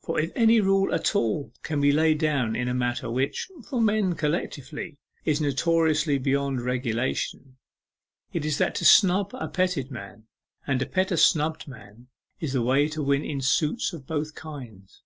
For if any rule at all can be laid down in a matter which, for men collectively, is notoriously beyond regulation, it is that to snub a petted man, and to pet a snubbed man, is the way to win in suits of both kinds.